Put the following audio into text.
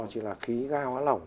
chỉ là khí ga hóa lỏng